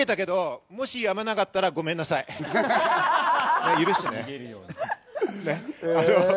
僕、盛り上げたけど、もしやまなかったらごめんなさい、許してね。